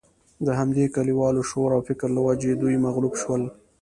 د همدې کلیوالي شعور او فکر له وجې دوی مغلوب شول.